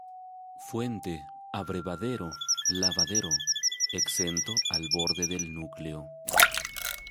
Fuente-abrevadero-lavadero, exento al borde del núcleo.